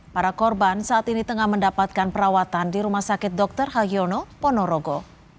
para korban saat ini tengah mendapatkan perawatan di rumah sakit dr hayono ponorogo